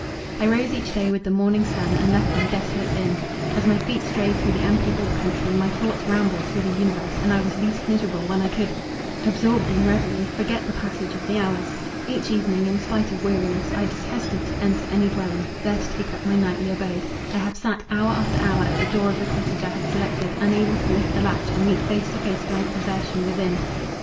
I rose each day with the morning sun, and left my desolate inn. As my feet strayed through the unpeopled country, my thoughts rambled through the universe, and I was least miserable when I could, absorbed in reverie, forget the passage of the hours. Each evening, in spite of weariness, I detested to enter any dwelling, there to take up my nightly abode—I have sat, hour after hour, at the door of the cottage I had selected, unable to lift the latch, and meet face to face blank desertion within.